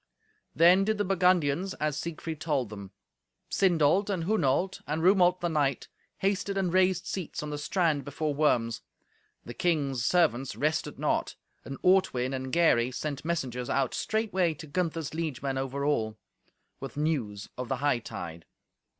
Then did the Burgundians as Siegfried told them. Sindolt, and Hunolt, and Rumolt the knight, hasted and raised seats on the strand before Worms. The king's servants rested not. And Ortwin and Gary sent messengers out straightway to Gunther's liegemen over all, with news of the hightide.